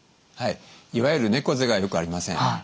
はいいわゆる猫背がよくありません。